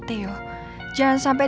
kau nggak akan melawan aku